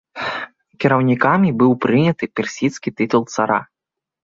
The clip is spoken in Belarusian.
Кіраўнікамі быў прыняты персідскі тытул цара.